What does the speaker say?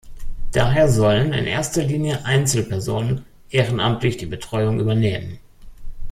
Daher sollen in erster Linie Einzelpersonen ehrenamtlich die Betreuungen übernehmen.